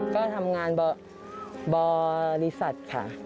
ก็ทำงานบริษัทค่ะ